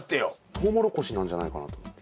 トウモロコシなんじゃないかなと思って。